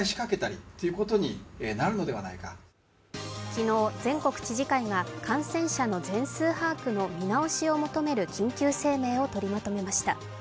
昨日、全国知事会が感染者の全数把握の見直しを求める緊急声明をとりまとめました。